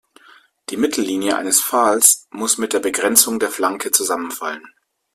Die Mittellinie eines Pfahls muss mit der Begrenzung der Flanke zusammenfallen.